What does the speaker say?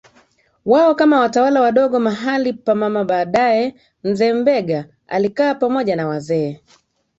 wao kama watawala wadogo mahali pa mamaBaadaye mzee Mbegha alikaa pamoja na wazee